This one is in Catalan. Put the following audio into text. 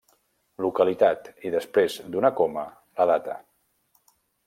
Localitat, i després d'una coma, la data.